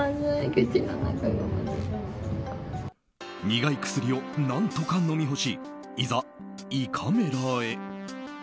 苦い薬を何とか飲み干しいざ、胃カメラへ。